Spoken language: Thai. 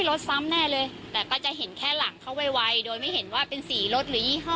ซ้ำแน่เลยแต่ก็จะเห็นแค่หลังเขาไวโดยไม่เห็นว่าเป็นสีรถหรือยี่ห้อ